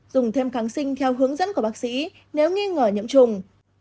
dùng thêm kháng sinh theo hướng dẫn của bác sĩ nếu nghi ngờ nhiễm trùng